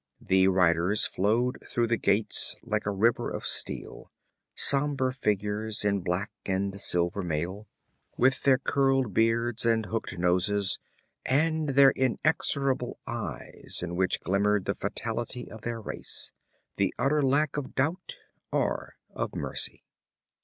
The riders flowed through the gates like a river of steel sombre figures in black and silver mail, with their curled beards and hooked noses, and their inexorable eyes in which glimmered the fatality of their race the utter lack of doubt or of mercy.